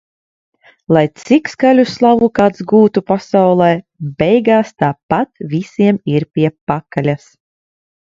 Lai cik skaļu slavu kāds gūtu pasaulē - beigās tāpat visiem ir pie pakaļas.